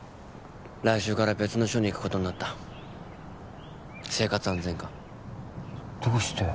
来週から別の署に行くことになった生活安全課どうして？